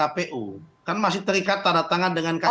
jadi artinya koalisi besar ini kan masih terikat tanda tangan dengan kip